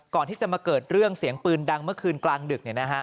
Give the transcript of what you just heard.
ก่อนที่จะมาเกิดเรื่องเสียงปืนดังเมื่อคืนกลางดึก